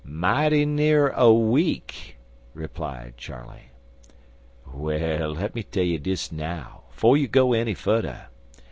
"Mighty near a week," replied Charley. "Well, lemme tell you dis, now, 'fo' you go enny fudder.